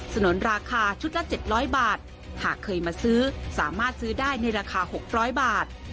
นุนราคาชุดละ๗๐๐บาทหากเคยมาซื้อสามารถซื้อได้ในราคา๖๐๐บาท